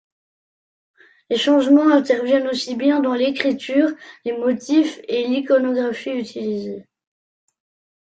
Les changements interviennent aussi bien dans l'écriture, les motifs et l'iconographie utilisés.